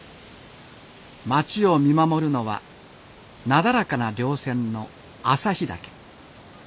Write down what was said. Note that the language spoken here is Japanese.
町を見守るのはなだらかなりょう線の朝日岳。